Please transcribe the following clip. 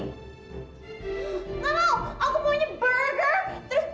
enggak mau aku punya burger terus pizza terus steak